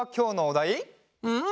うん！